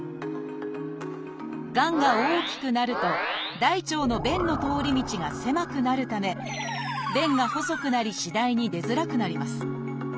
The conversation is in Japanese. がんが大きくなると大腸の便の通り道が狭くなるため便が細くなり次第に出づらくなります。